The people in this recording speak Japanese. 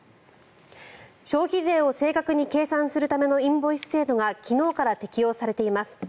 消費税を正確に計算するためのインボイス制度が昨日から適用されています。